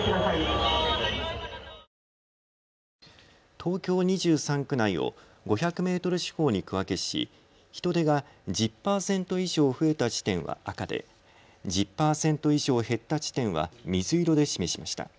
東京２３区内を５００メートル四方に区分けし、人出が１０％以上増えた地点は赤で、１０％以上減った地点は水色で示しました。